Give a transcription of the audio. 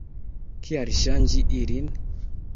Kial ŝanĝi ilin?